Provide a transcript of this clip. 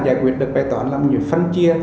giải quyết được bài toán là phân chia